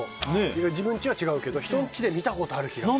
自分ちは違うけど人のうちで見たことある気がする。